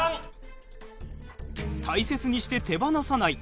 大切にして手放さない。